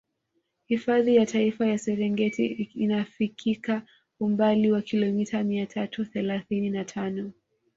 Hifadhi ya Taifa ya Serengeti inafikika umbali wa kilomita mia tatu thelathini na tano